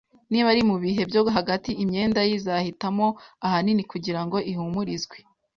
Niba ari mubihe byo hagati imyenda ye izahitamo ahanini kugirango ihumurizwe.